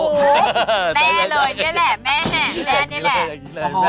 แมแมเลยเนี่ยแหละ